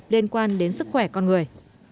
liên quan đến sức khỏe con người